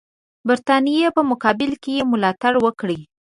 برټانیې په مقابل کې یې ملاتړ وکړي.